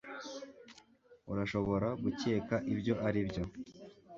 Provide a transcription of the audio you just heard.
Urashobora gukeka ibyo aribyo